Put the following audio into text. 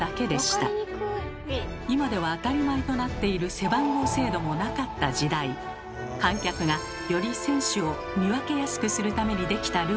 今では当たり前となっている「背番号制度」もなかった時代観客がより選手を見分けやすくするためにできたルールだといいます。